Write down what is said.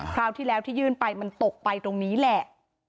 คราวที่แล้วที่ยื่นไปมันตกไปตรงนี้แหละ